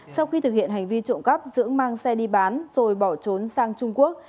sau khi thực hiện hành vi trụng cấp dưỡng mang xe đi bán rồi bỏ trốn sang trung quốc